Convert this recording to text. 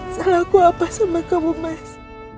salah aku apa sama kamu mas